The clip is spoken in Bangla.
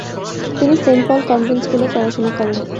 তিনি সেন্ট পল কনভেন্ট স্কুলে পড়াশুনা করেন।